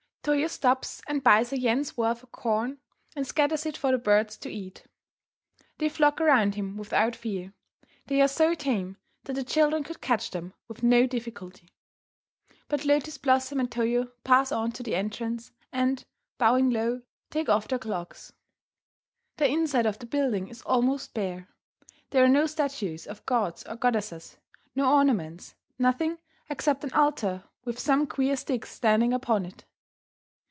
Toyo stops and buys a yen's worth of corn and scatters it for the birds to eat. They flock around him without fear. They are so tame that the children could catch them with no difficulty. But Lotus Blossom and Toyo pass on to the entrance, and, bowing low, take off their clogs. The inside of the building is almost bare. There are no statues of gods or goddesses, no ornaments, nothing except an altar with some queer sticks standing upon it.